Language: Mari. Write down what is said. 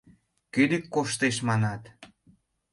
Кӧ дек коштеш манат?